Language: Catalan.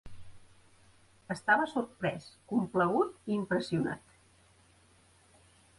Estava sorprès, complagut i impressionat.